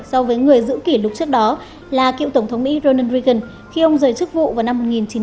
so với người giữ kỷ lục trước đó là cựu tổng thống mỹ ronald reagan khi ông rời chức vụ vào năm một nghìn chín trăm chín mươi